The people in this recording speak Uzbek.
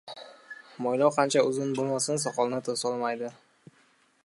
• Mo‘ylov qancha uzun bo‘lmasin, soqolni to‘solmaydi.